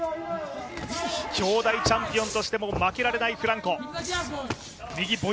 兄弟チャンピオンとしても負けられないフランコ。